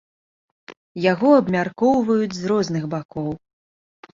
Яго абмяркоўваюць з розных бакоў.